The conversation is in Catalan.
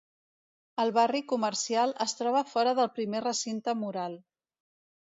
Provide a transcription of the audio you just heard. El barri comercial es troba fora del primer recinte mural.